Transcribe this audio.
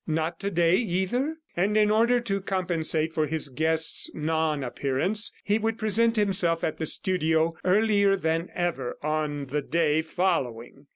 "Not to day, either?" And in order to compensate for his guest's non appearance, he would present himself at the studio earlier than ever on the day following.